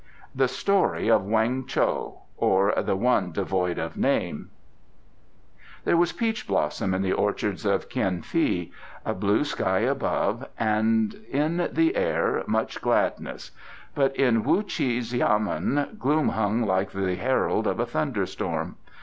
The Story of Weng Cho; or, the One Devoid of Name There was peach blossom in the orchards of Kien fi, a blue sky above, and in the air much gladness; but in Wu Chi's yamen gloom hung like the herald of a thunderstorm.